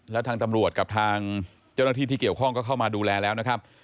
แล้วทางตำรวจกับทางเจ้าหน้าที่ที่เกี่ยวข้องก็เข้ามาดูแลแล้วนะครับ